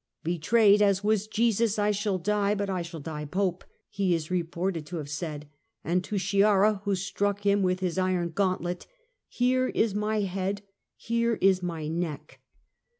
" Betrayed as was Jesus, I shall die, but I shall die Pope," he is re ported to have said : and to Sciarra who struck him with his iron gauntlet, " Here is my head, here is my neck".